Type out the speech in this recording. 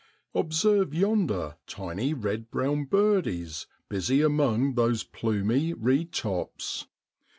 Observe yonder tiny red brown birdies busy among those plumy reed tops.